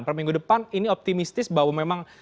peminggu depan ini optimistis bahwa memang